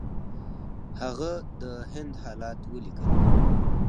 هغه د هند حالات ولیکل.